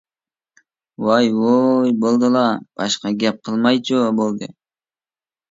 ۋاي-ۋۇي بولدىلا باشقا گەپ قىلمايچۇ بولدى.